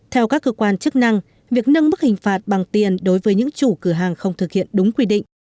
theo các cơ quan chức năng việc nâng bức hình phạt bằng tiền đối với những chủ cửa hàng không thực hiện đúng quy định